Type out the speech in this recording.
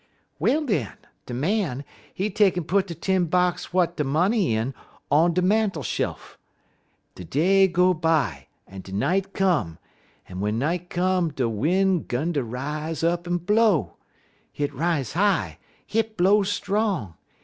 "Well, den, de Man, he take'n put de tin box w'at de money in on de mantel shel uf. De day go by, en de night come, en w'en night come de win' 'gun ter rise up en blow. Hit rise high, hit blow strong.